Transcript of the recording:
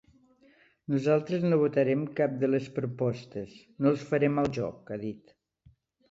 Nosaltres no votarem cap de les propostes, no els farem el joc, ha dit.